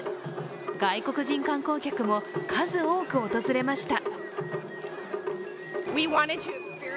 外国人観光客も数多く訪れました。